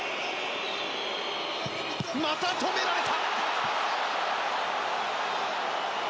また止められた！